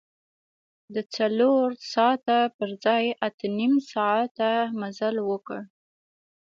د څلور ساعته پر ځای اته نیم ساعته مزل وکړ.